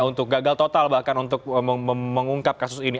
untuk gagal total bahkan untuk mengungkap kasus ini